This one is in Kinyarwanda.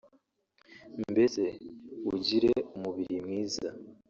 mbese ugire umubiri mwiza